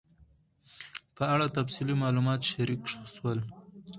په اړه تفصیلي معلومات شریک سول